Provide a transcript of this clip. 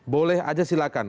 boleh aja silakan